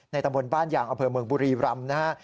ในตำบลบ้านอย่างอำเภอเมืองบุรีรำ